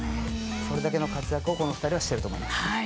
それだけの活躍を、この２人はしていると思います。